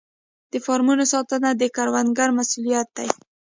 د فارمونو ساتنه د کروندګر مسوولیت دی.